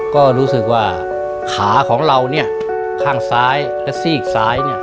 ก็รู้สึกว่าขาของเราเนี่ยข้างซ้ายและซีกซ้ายเนี่ย